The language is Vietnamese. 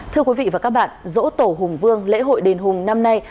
thưa quý vị và các bạn dỗ tổ hùng vương lễ hội đền hùng năm nay